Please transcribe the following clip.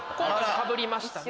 かぶりましたね。